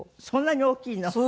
そんなに大きいの？